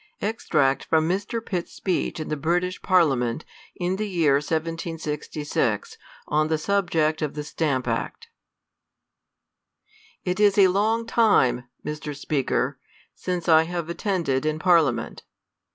Extract from Mr. Pitt's Speech m the British Parliament, in the Year 1766, on the Subject OF THE Stamp Act. IT is a long time, Mr. Speaker, since I^have attended in Parliament.